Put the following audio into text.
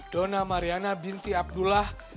dona mariana binti abdullah